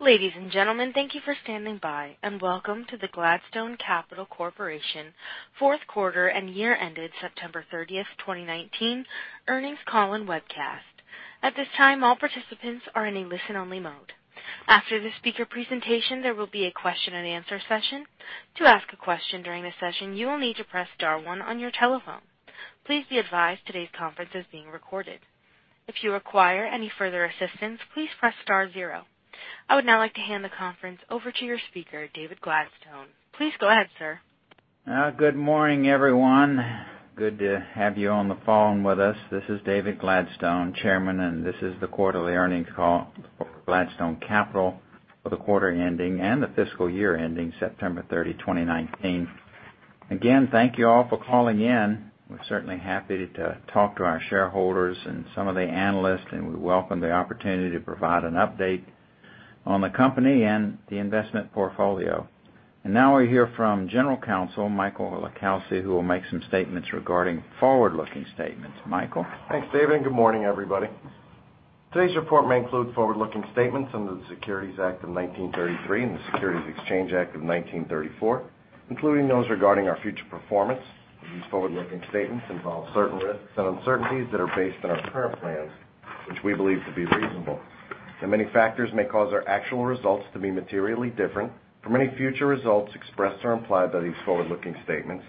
Ladies and gentlemen, thank you for standing by and welcome to the Gladstone Capital Corporation fourth quarter and year-ended September 30th, 2019, earnings call and webcast. At this time, all participants are in a listen-only mode. After the speaker presentation, there will be a question-and-answer session. To ask a question during the session, you will need to press star one on your telephone. Please be advised today's conference is being recorded. If you require any further assistance, please press star zero. I would now like to hand the conference over to your speaker, David Gladstone. Please go ahead, sir. Good morning, everyone. Good to have you on the phone with us. This is David Gladstone, Chairman, and this is the quarterly earnings call for Gladstone Capital for the quarter ending and the fiscal year ending September 30, 2019. Again, thank you all for calling in. We're certainly happy to talk to our shareholders and some of the analysts, and we welcome the opportunity to provide an update on the company and the investment portfolio. Now we'll hear from General Counsel Michael LiCalsi, who will make some statements regarding forward-looking statements. Michael? Thanks, David. Good morning, everybody. Today's report may include forward-looking statements under the Securities Act of 1933 and the Securities Exchange Act of 1934, including those regarding our future performance. These forward-looking statements involve certain risks and uncertainties that are based on our current plans, which we believe to be reasonable, and many factors may cause our actual results to be materially different from any future results expressed or implied by these forward-looking statements,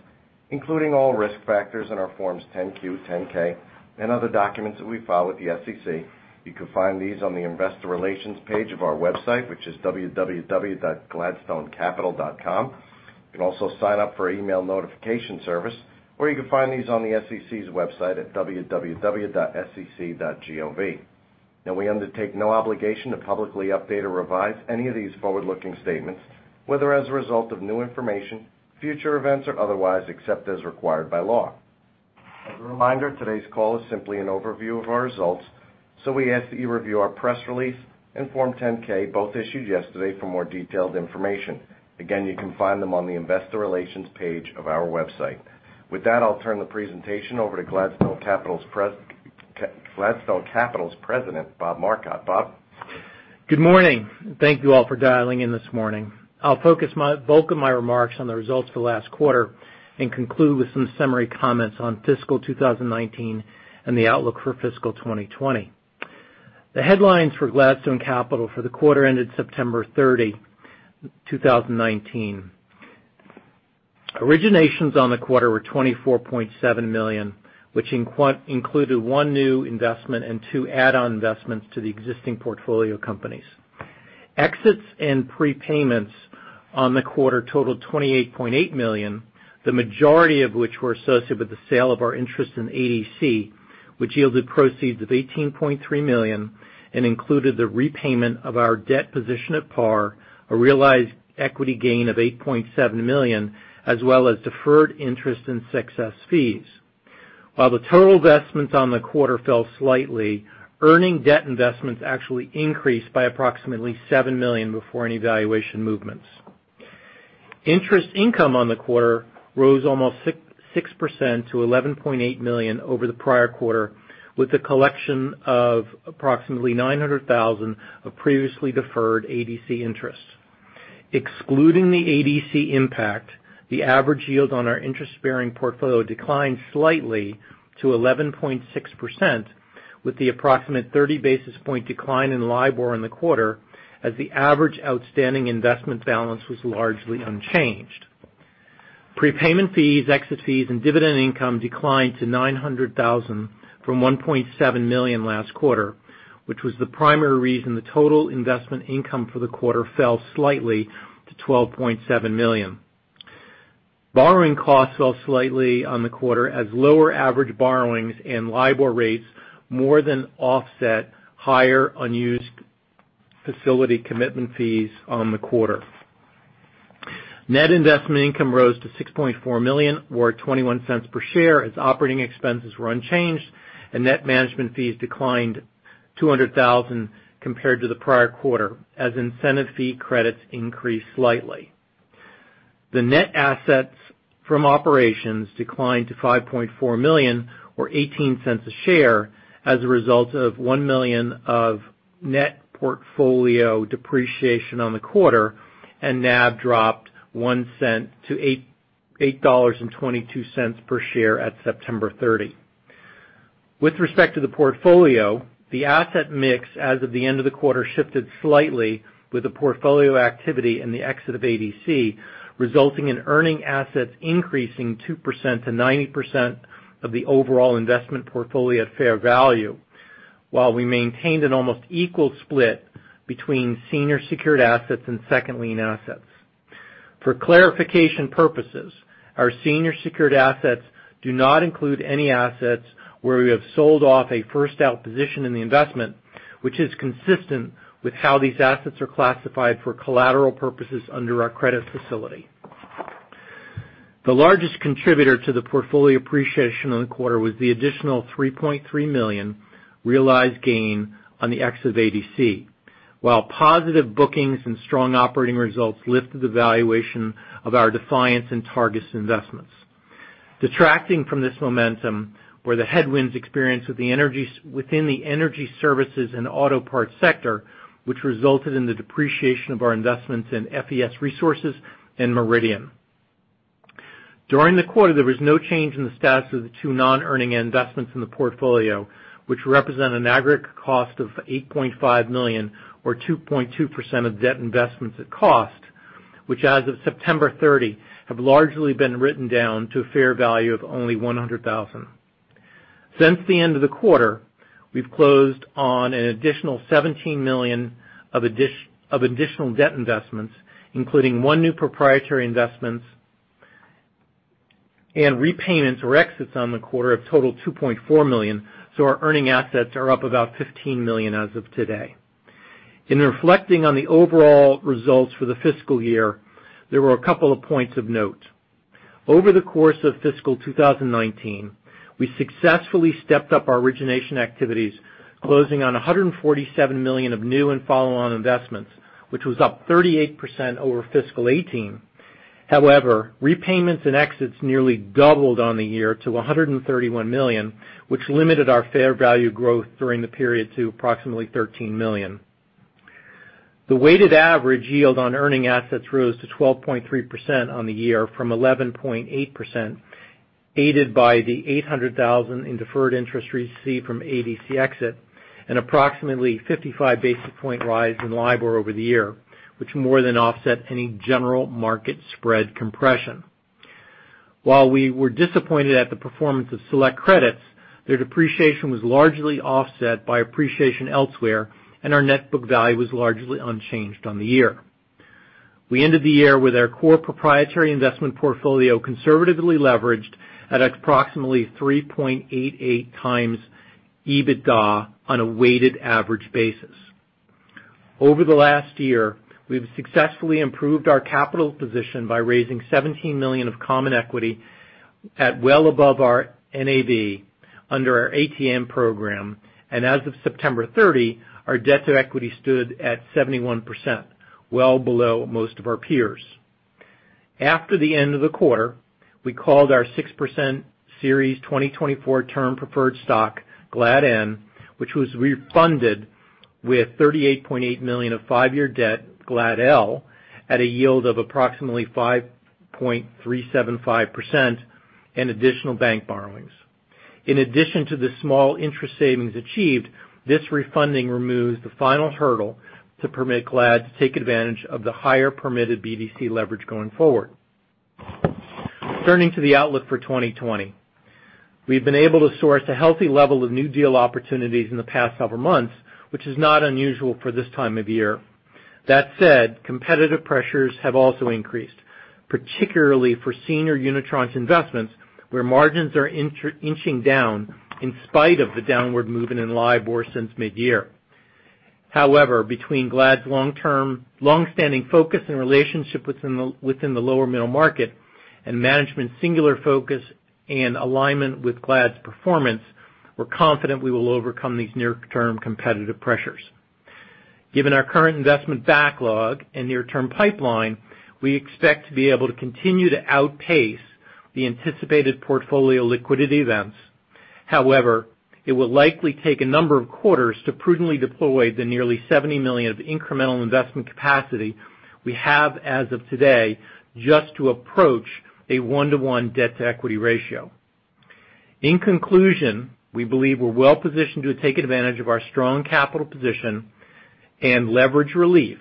including all risk factors in our Forms 10-Q, 10-K, and other documents that we file with the SEC. You can find these on the investor relations page of our website, which is www.gladstonecapital.com. You can also sign up for our email notification service, or you can find these on the SEC's website at www.sec.gov. Now, we undertake no obligation to publicly update or revise any of these forward-looking statements, whether as a result of new information, future events, or otherwise, except as required by law. As a reminder, today's call is simply an overview of our results, so we ask that you review our press release and Form 10-K, both issued yesterday, for more detailed information. Again, you can find them on the investor relations page of our website. With that, I'll turn the presentation over to Gladstone Capital's President, Bob Marcotte. Bob? Good morning. Thank you all for dialing in this morning. I'll focus the bulk of my remarks on the results for last quarter and conclude with some summary comments on fiscal 2019 and the outlook for fiscal 2020. The headlines for Gladstone Capital for the quarter ended September 30, 2019. Originations on the quarter were $24.7 million, which included one new investment and two add-on investments to the existing portfolio companies. Exits and prepayments on the quarter totaled $28.8 million, the majority of which were associated with the sale of our interest in ADC, which yielded proceeds of $18.3 million and included the repayment of our debt position at par, a realized equity gain of $8.7 million, as well as deferred interest and success fees. While the total investments on the quarter fell slightly, earning debt investments actually increased by approximately $7 million before any valuation movements. Interest income on the quarter rose almost 6% to $11.8 million over the prior quarter, with the collection of approximately $900,000 of previously deferred ADC interest. Excluding the ADC impact, the average yield on our interest-bearing portfolio declined slightly to 11.6%, with the approximate 30-basis-point decline in LIBOR in the quarter as the average outstanding investment balance was largely unchanged. Prepayment fees, exit fees, and dividend income declined to $900,000 from $1.7 million last quarter, which was the primary reason the total investment income for the quarter fell slightly to $12.7 million. Borrowing costs fell slightly on the quarter as lower average borrowings and LIBOR rates more than offset higher unused facility commitment fees on the quarter. Net investment income rose to $6.4 million, or $0.21 per share, as operating expenses were unchanged and net management fees declined $200,000 compared to the prior quarter, as incentive fee credits increased slightly. The net assets from operations declined to $5.4 million, or $0.18 a share, as a result of $1 million of net portfolio depreciation on the quarter, and NAV dropped $0.01 to $8.22 per share at September 30. With respect to the portfolio, the asset mix as of the end of the quarter shifted slightly with the portfolio activity and the exit of ADC, resulting in earning assets increasing 2% to 90% of the overall investment portfolio at fair value, while we maintained an almost equal split between senior secured assets and second lien assets. For clarification purposes, our senior secured assets do not include any assets where we have sold off a first-out position in the investment, which is consistent with how these assets are classified for collateral purposes under our credit facility. The largest contributor to the portfolio appreciation on the quarter was the additional $3.3 million realized gain on the exit of ADC. While positive bookings and strong operating results lifted the valuation of our Defiance and Targus investments. Detracting from this momentum were the headwinds experienced within the energy services and auto parts sector, which resulted in the depreciation of our investments in FES Resources and Meridian. During the quarter, there was no change in the status of the two non-earning investments in the portfolio, which represent an aggregate cost of $8.5 million or 2.2% of debt investments at cost, which as of September 30, have largely been written down to a fair value of only $100,000. Our earning assets are up about $15 million as of today. In reflecting on the overall results for the fiscal year, there were a couple of points of note. Over the course of fiscal 2019, we successfully stepped up our origination activities, closing on $147 million of new and follow-on investments, which was up 38% over fiscal 2018. Repayments and exits nearly doubled on the year to $131 million, which limited our fair value growth during the period to approximately $13 million. The weighted average yield on earning assets rose to 12.3% on the year from 11.8%, aided by the $800,000 in deferred interest received from ADC exit and approximately 55 basis point rise in LIBOR over the year, which more than offset any general market spread compression. We were disappointed at the performance of select credits, their depreciation was largely offset by appreciation elsewhere, and our net book value was largely unchanged on the year. We ended the year with our core proprietary investment portfolio conservatively leveraged at approximately 3.88 times EBITDA on a weighted average basis. Over the last year, we've successfully improved our capital position by raising $17 million of common equity at well above our NAV under our ATM program. As of September 30, our debt to equity stood at 71%, well below most of our peers. After the end of the quarter, we called our 6% Series 2024 Term Preferred Stock, GLADN, which was refunded with $38.8 million of five-year debt, GLADL, at a yield of approximately 5.375% and additional bank borrowings. In addition to the small interest savings achieved, this refunding removes the final hurdle to permit GLAD to take advantage of the higher permitted BDC leverage going forward. Turning to the outlook for 2020. We've been able to source a healthy level of new deal opportunities in the past several months, which is not unusual for this time of year. Competitive pressures have also increased, particularly for senior unitranche investments, where margins are inching down in spite of the downward movement in LIBOR since mid-year. However, between GLAD's longstanding focus and relationship within the lower middle market and management's singular focus and alignment with GLAD's performance, we're confident we will overcome these near-term competitive pressures. Given our current investment backlog and near-term pipeline, we expect to be able to continue to outpace the anticipated portfolio liquidity events. However, it will likely take a number of quarters to prudently deploy the nearly $70 million of incremental investment capacity we have as of today just to approach a one-to-one debt-to-equity ratio. In conclusion, we believe we're well-positioned to take advantage of our strong capital position and leverage relief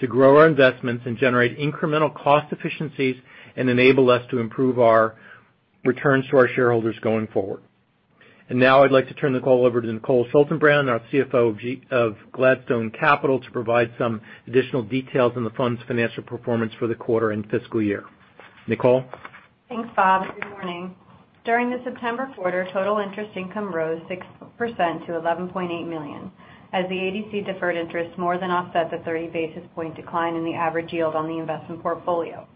to grow our investments and generate incremental cost efficiencies and enable us to improve our returns to our shareholders going forward. Now I'd like to turn the call over to Nicole Schaltenbrand, our CFO of Gladstone Capital, to provide some additional details on the fund's financial performance for the quarter and fiscal year. Nicole? Thanks, Bob. Good morning. During the September quarter, total interest income rose 6% to $11.8 million as the ADC deferred interest more than offset the 30 basis point decline in the average yield on the investment portfolio.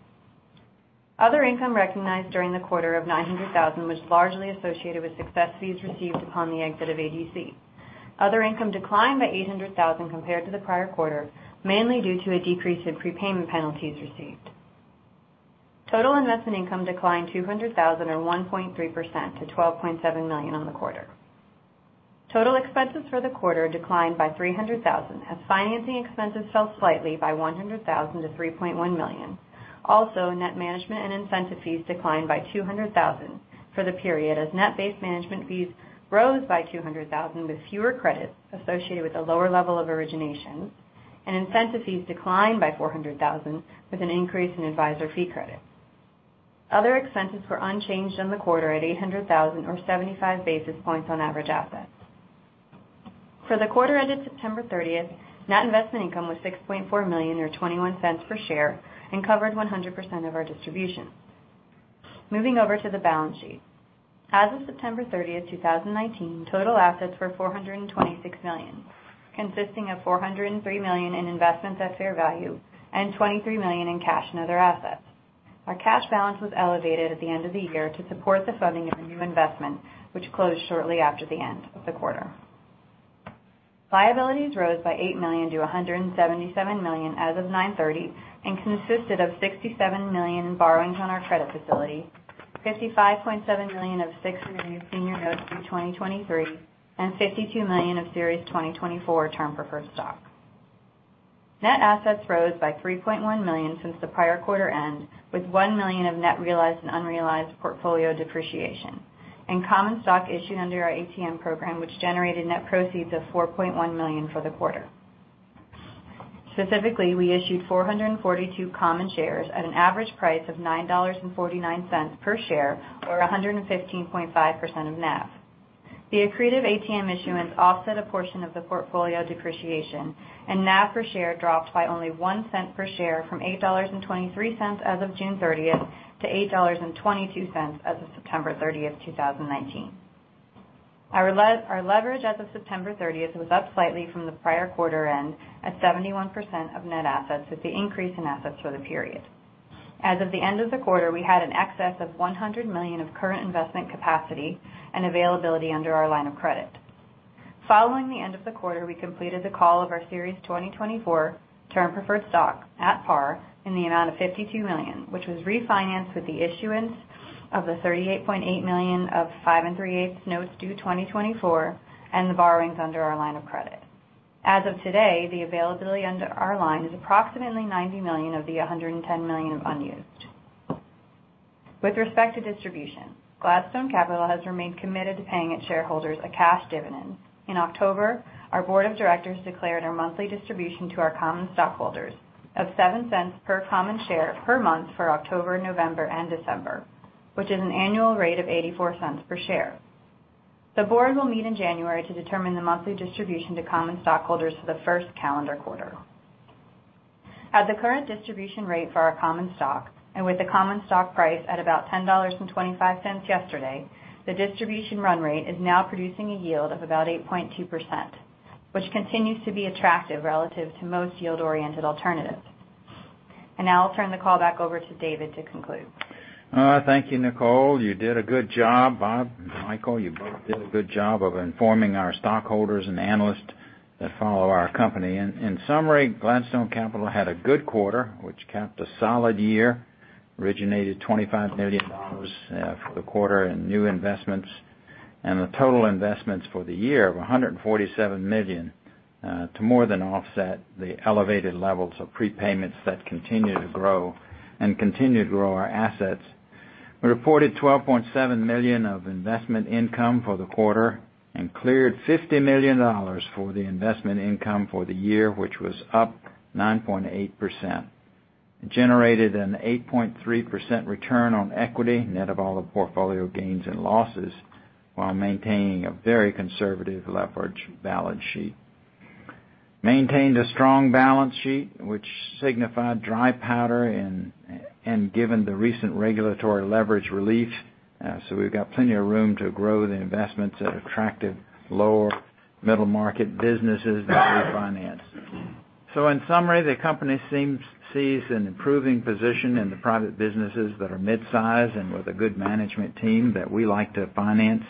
Other income recognized during the quarter of $900,000 was largely associated with success fees received upon the exit of ADC. Other income declined by $800,000 compared to the prior quarter, mainly due to a decrease in prepayment penalties received. Total investment income declined $200,000 or 1.3% to $12.7 million on the quarter. Total expenses for the quarter declined by $300,000 as financing expenses fell slightly by $100,000 to $3.1 million. Net management and incentive fees declined by $200,000 for the period as net base management fees rose by $200,000 with fewer credits associated with a lower level of originations and incentive fees declined by $400,000 with an increase in advisor fee credits. Other expenses were unchanged in the quarter at $800,000 or 75 basis points on average assets. For the quarter ended September 30th, net investment income was $6.4 million or $0.21 per share and covered 100% of our distribution. Moving over to the balance sheet. As of September 30th, 2019, total assets were $426 million, consisting of $403 million in investments at fair value and $23 million in cash and other assets. Our cash balance was elevated at the end of the year to support the funding of a new investment, which closed shortly after the end of the quarter. Liabilities rose by $8 million to $177 million as of September 30, and consisted of $67 million in borrowings on our credit facility, $55.7 million of 6.00% senior notes due 2023, and $52 million of Series 2024 Term Preferred Stock. Net assets rose by $3.1 million since the prior quarter end, with $1 million of net realized and unrealized portfolio depreciation and common stock issued under our ATM program, which generated net proceeds of $4.1 million for the quarter. Specifically, we issued 442 common shares at an average price of $9.49 per share, or 115.5% of NAV. The accretive ATM issuance offset a portion of the portfolio depreciation and NAV per share dropped by only $0.01 per share from $8.23 as of June 30th to $8.22 as of September 30th, 2019. Our leverage as of September 30th was up slightly from the prior quarter end at 71% of net assets, with the increase in assets for the period. As of the end of the quarter, we had an excess of $100 million of current investment capacity and availability under our line of credit. Following the end of the quarter, we completed the call of our Series 2024 Term Preferred Stock at par in the amount of $52 million, which was refinanced with the issuance of the $38.8 million of 5.375% Notes due 2024, and the borrowings under our line of credit. As of today, the availability under our line is approximately $90 million of the $110 million unused. With respect to distribution, Gladstone Capital has remained committed to paying its shareholders a cash dividend. In October, our Board of Directors declared our monthly distribution to our common stockholders of $0.07 per common share per month for October, November, and December, which is an annual rate of $0.84 per share. The board will meet in January to determine the monthly distribution to common stockholders for the first calendar quarter. At the current distribution rate for our common stock, with the common stock price at about $10.25 yesterday, the distribution run rate is now producing a yield of about 8.2%, which continues to be attractive relative to most yield-oriented alternatives. Now I'll turn the call back over to David to conclude. Thank you, Nicole. You did a good job. Bob and Michael, you both did a good job of informing our stockholders and analysts that follow our company. In summary, Gladstone Capital had a good quarter, which capped a solid year. Originated $25 million for the quarter in new investments. The total investments for the year of $147 million to more than offset the elevated levels of prepayments that continue to grow and continue to grow our assets. We reported $12.7 million of investment income for the quarter and cleared $50 million for the investment income for the year, which was up 9.8%. Generated an 8.3% return on equity, net of all the portfolio gains and losses, while maintaining a very conservative leverage balance sheet. Maintained a strong balance sheet, which signified dry powder and given the recent regulatory leverage relief. We've got plenty of room to grow the investments at attractive lower middle-market businesses that we finance. In summary, the company sees an improving position in the private businesses that are mid-size and with a good management team that we like to finance.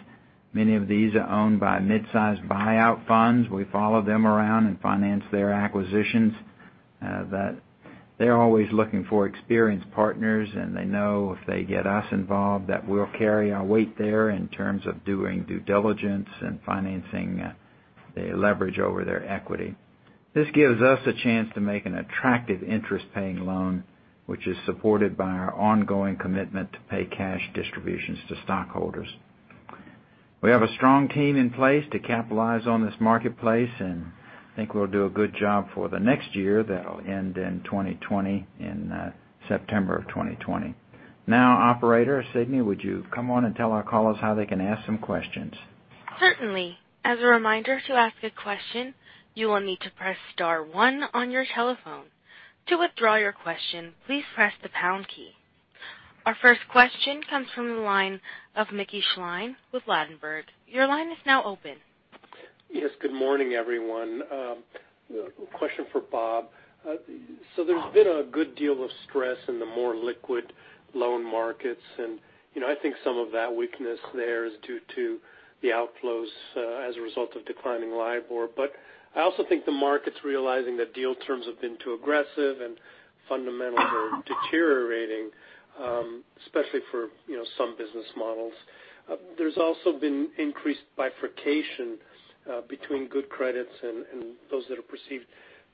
Many of these are owned by mid-size buyout funds. We follow them around and finance their acquisitions. They're always looking for experienced partners, and they know if they get us involved, that we'll carry our weight there in terms of doing due diligence and financing the leverage over their equity. This gives us a chance to make an attractive interest-paying loan, which is supported by our ongoing commitment to pay cash distributions to stockholders. We have a strong team in place to capitalize on this marketplace, and I think we'll do a good job for the next year. That'll end in 2020, in September of 2020. Now Operator Sydney, would you come on and tell our callers how they can ask some questions? Certainly. As a reminder, to ask a question, you will need to press star one on your telephone. To withdraw your question, please press the pound key. Our first question comes from the line of Mickey Schleien with Ladenburg. Your line is now open. Yes, good morning, everyone. Question for Bob. There's been a good deal of stress in the more liquid loan markets, and I think some of that weakness there is due to the outflows as a result of declining LIBOR. I also think the market's realizing that deal terms have been too aggressive and fundamentals are deteriorating, especially for some business models. There's also been increased bifurcation between good credits and those that are perceived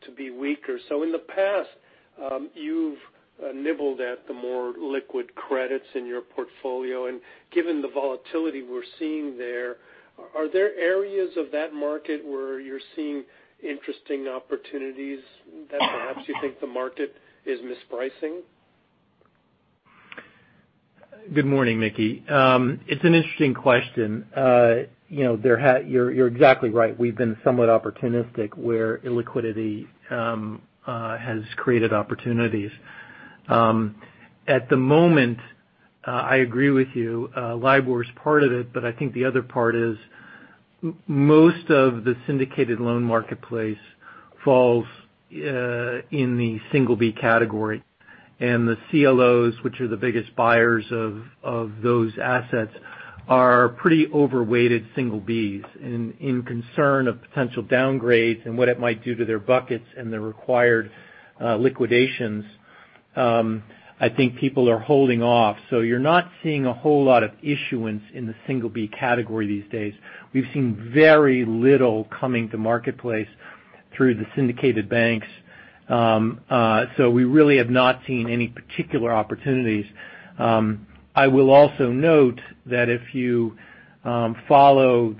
to be weaker. In the past, you've nibbled at the more liquid credits in your portfolio. Given the volatility we're seeing there, are there areas of that market where you're seeing interesting opportunities that perhaps you think the market is mispricing? Good morning, Mickey. It's an interesting question. You're exactly right. We've been somewhat opportunistic where illiquidity has created opportunities. At the moment, I agree with you. LIBOR is part of it. I think the other part is most of the syndicated loan marketplace falls in the single B category. The CLOs, which are the biggest buyers of those assets, are pretty overweighted single Bs. In concern of potential downgrades and what it might do to their buckets and their required liquidations, I think people are holding off. You're not seeing a whole lot of issuance in the single B category these days. We've seen very little coming to marketplace through the syndicated banks. We really have not seen any particular opportunities. I will also note that if you follow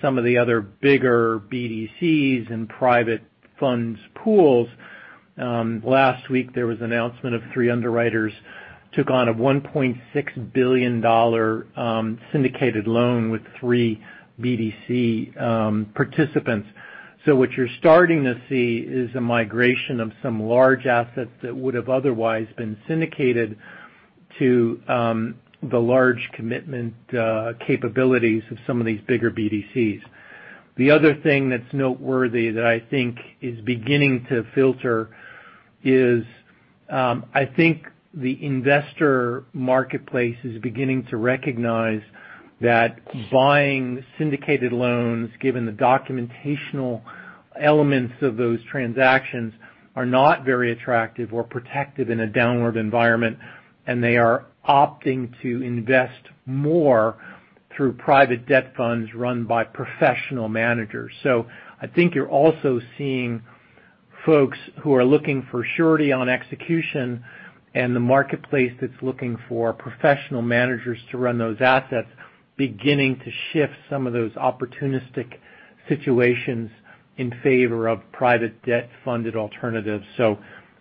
some of the other bigger BDCs and private funds pools, last week there was an announcement of three underwriters took on a $1.6 billion syndicated loan with three BDC participants. What you're starting to see is a migration of some large assets that would have otherwise been syndicated to the large commitment capabilities of some of these bigger BDCs. The other thing that's noteworthy that I think is beginning to filter is, I think the investor marketplace is beginning to recognize that buying syndicated loans, given the documentational elements of those transactions, are not very attractive or protective in a downward environment, and they are opting to invest more through private debt funds run by professional managers. I think you're also seeing folks who are looking for surety on execution and the marketplace that's looking for professional managers to run those assets, beginning to shift some of those opportunistic situations in favor of private debt funded alternatives.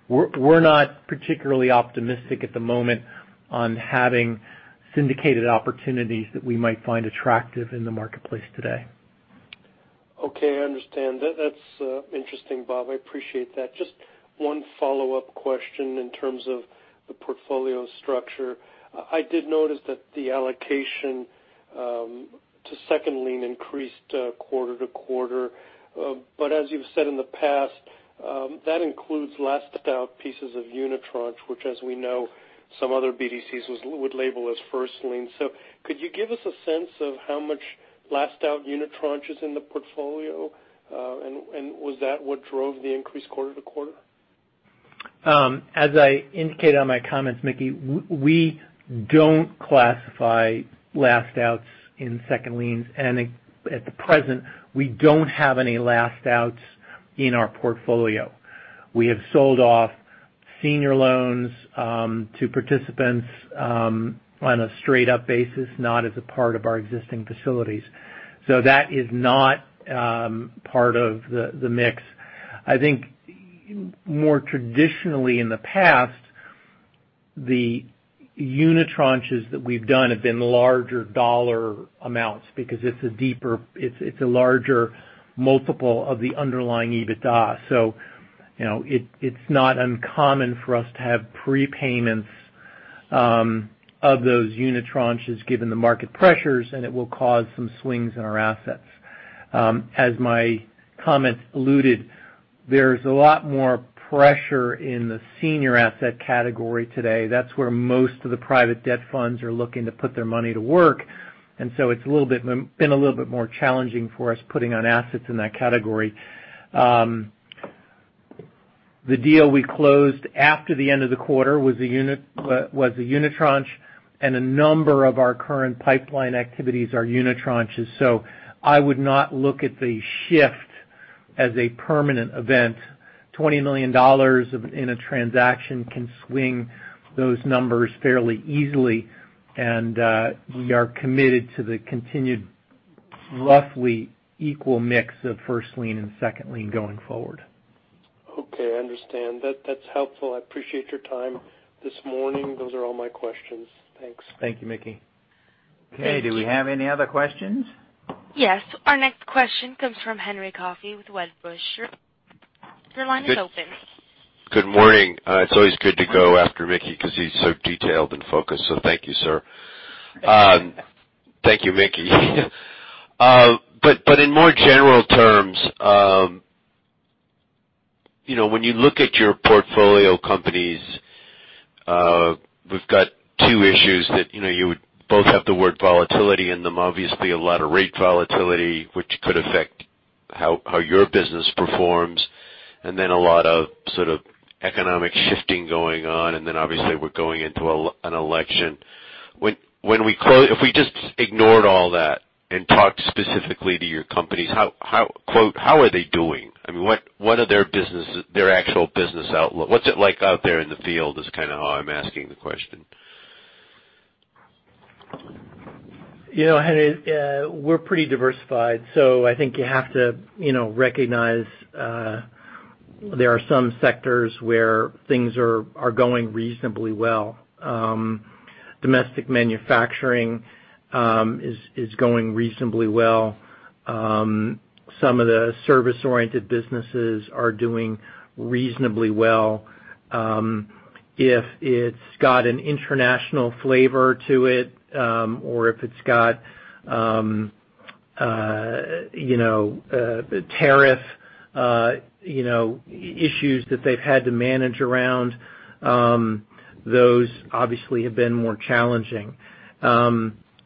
We're not particularly optimistic at the moment on having syndicated opportunities that we might find attractive in the marketplace today. Okay, I understand. That's interesting, Bob. I appreciate that. Just one follow-up question in terms of the portfolio structure. I did notice that the allocation to second lien increased quarter-to-quarter. As you've said in the past, that includes last out pieces of unitranche, which as we know, some other BDCs would label as first lien. Could you give us a sense of how much last out unitranche is in the portfolio? Was that what drove the increase quarter-to-quarter? As I indicated on my comments, Mickey, we don't classify last outs in second liens. At the present, we don't have any last outs in our portfolio. We have sold off senior loans to participants on a straight up basis, not as a part of our existing facilities. That is not part of the mix. I think more traditionally in the past, the unitranches that we've done have been larger dollar amounts because it's a larger multiple of the underlying EBITDA. It's not uncommon for us to have prepayments of those unitranches given the market pressures, and it will cause some swings in our assets. As my comments alluded, there's a lot more pressure in the senior asset category today. That's where most of the private debt funds are looking to put their money to work. It's been a little bit more challenging for us putting on assets in that category. The deal we closed after the end of the quarter was a unitranche, and a number of our current pipeline activities are unitranches. I would not look at the shift as a permanent event. $20 million in a transaction can swing those numbers fairly easily. We are committed to the continued, roughly equal mix of first lien and second lien going forward. Okay, I understand. That's helpful. I appreciate your time this morning. Those are all my questions. Thanks. Thank you, Mickey. Thank you. Okay. Do we have any other questions? Yes. Our next question comes from Henry Coffey with Wedbush. Your line is open. Good morning. It's always good to go after Mickey because he's so detailed and focused. Thank you, sir. Thank you, Mickey. In more general terms, when you look at your portfolio companies, we've got two issues that you would both have the word volatility in them. Obviously, a lot of rate volatility, which could affect how your business performs. A lot of sort of economic shifting going on. Obviously, we're going into an election. If we just ignored all that and talked specifically to your companies, quote, how are they doing? What are their actual business outlook? What's it like out there in the field is kind of how I'm asking the question. Henry, we're pretty diversified. I think you have to recognize there are some sectors where things are going reasonably well. Domestic manufacturing is going reasonably well. Some of the service-oriented businesses are doing reasonably well. If it's got an international flavor to it or if it's got tariff issues that they've had to manage around, those obviously have been more challenging.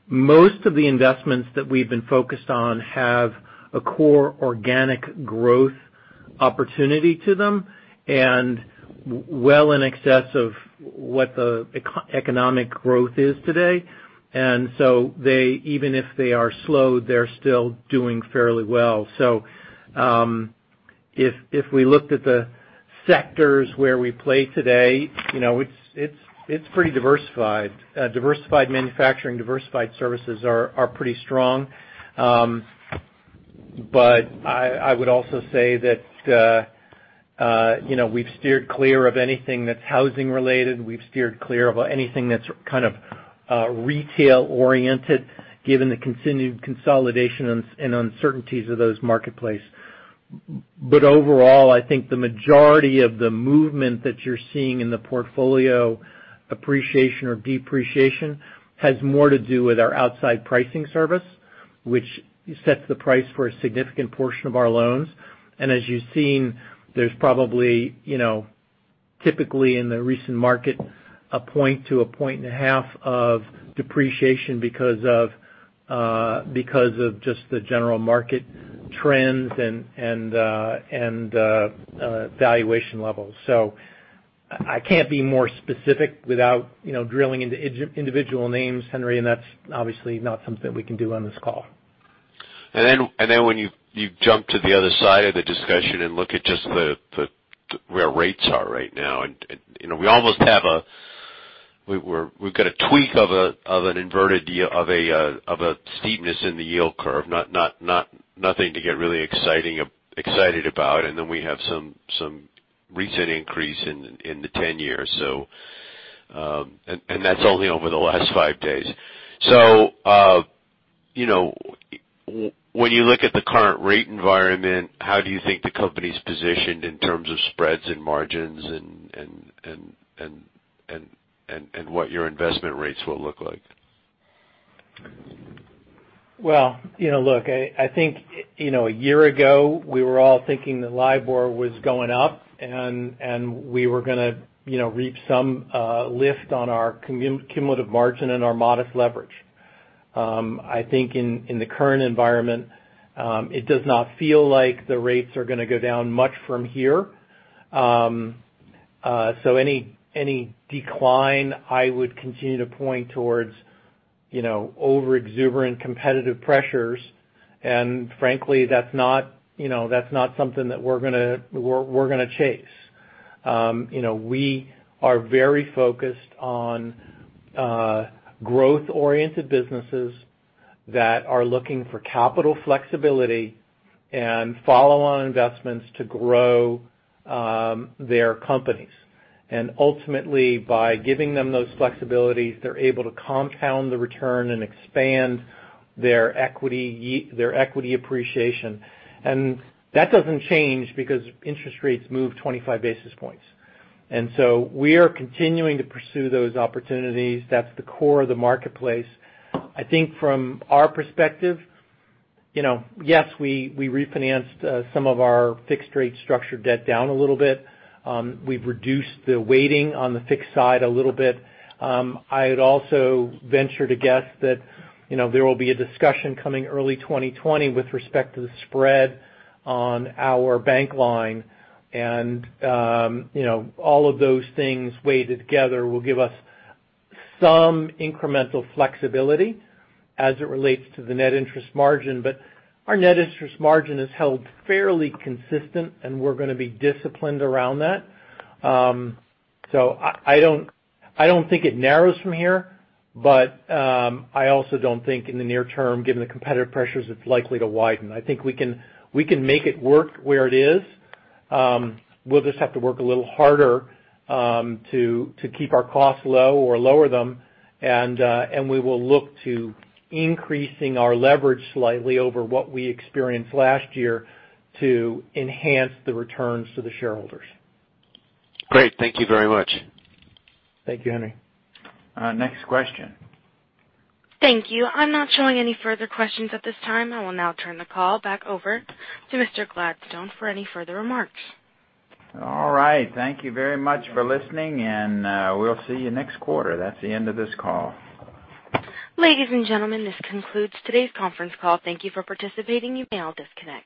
Most of the investments that we've been focused on have a core organic growth opportunity to them and well in excess of what the economic growth is today. Even if they are slow, they're still doing fairly well. If we looked at the sectors where we play today, it's pretty diversified. Diversified manufacturing, diversified services are pretty strong. I would also say that we've steered clear of anything that's housing related. We've steered clear of anything that's kind of retail oriented given the continued consolidation and uncertainties of those marketplace. Overall, I think the majority of the movement that you're seeing in the portfolio, appreciation or depreciation, has more to do with our outside pricing service, which sets the price for a significant portion of our loans. As you've seen, there's probably, typically in the recent market, a point to a point and a half of depreciation because of just the general market trends and valuation levels. I can't be more specific without drilling into individual names, Henry, and that's obviously not something we can do on this call. When you jump to the other side of the discussion and look at just where rates are right now. We've got a tweak of an inverted, of a steepness in the yield curve. Nothing to get really excited about. We have some recent increase in the 10-year. That's only over the last five days. When you look at the current rate environment, how do you think the company's positioned in terms of spreads and margins and what your investment rates will look like? Well, look, I think a year ago, we were all thinking that LIBOR was going up, and we were going to reap some lift on our cumulative margin and our modest leverage. I think in the current environment, it does not feel like the rates are going to go down much from here. Any decline, I would continue to point towards over exuberant competitive pressures. Frankly, that's not something that we're going to chase. We are very focused on growth oriented businesses that are looking for capital flexibility and follow-on investments to grow their companies. Ultimately, by giving them those flexibilities, they're able to compound the return and expand their equity appreciation. That doesn't change because interest rates move 25 basis points. We are continuing to pursue those opportunities. That's the core of the marketplace. I think from our perspective, yes, we refinanced some of our fixed rate structured debt down a little bit. We've reduced the weighting on the fixed side a little bit. I would also venture to guess that there will be a discussion coming early 2020 with respect to the spread on our bank line. All of those things weighted together will give us some incremental flexibility as it relates to the net interest margin. Our net interest margin has held fairly consistent, and we're going to be disciplined around that. I don't think it narrows from here. I also don't think in the near term, given the competitive pressures, it's likely to widen. I think we can make it work where it is. We'll just have to work a little harder to keep our costs low or lower them. We will look to increasing our leverage slightly over what we experienced last year to enhance the returns to the shareholders. Great. Thank you very much. Thank you, Henry. Next question. Thank you. I'm not showing any further questions at this time. I will now turn the call back over to Mr. Gladstone for any further remarks. All right. Thank you very much for listening. We'll see you next quarter. That's the end of this call. Ladies and gentlemen, this concludes today's conference call. Thank you for participating. You may all disconnect.